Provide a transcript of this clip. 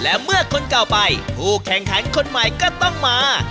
และเมื่อคนเก่าไปผู้แข่งขันคนใหม่ก็ต้องมา